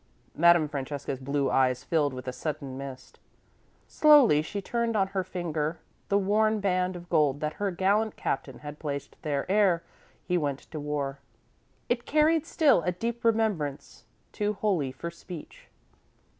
Madame Francesca's blue eyes filled with a sudden mist. Slowly she turned on her finger the worn band of gold that her gallant Captain had placed there ere he went to war. It carried still a deep remembrance too holy for speech.